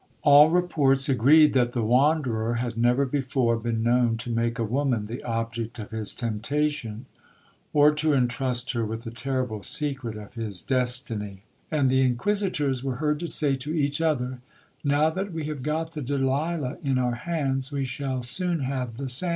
All reports agreed that the Wanderer had never before been known to make a woman the object of his temptation, or to entrust her with the terrible secret of his destiny;1 and the Inquisitors were heard to say to each other, 'Now that we have got the Delilah in our hands, we shall soon have the Sampson.'